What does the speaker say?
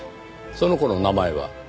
その子の名前は？